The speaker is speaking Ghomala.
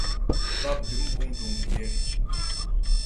Bápdəm wúŋ duŋ biyɛ́.